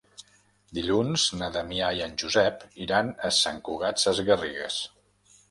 Dilluns na Damià i en Josep iran a Sant Cugat Sesgarrigues.